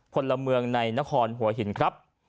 พลเมืองในนครหัวหินครับ